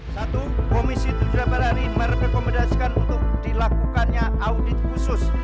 satu komisi tujuh dpr ri merekomendasikan untuk dilakukannya audit khusus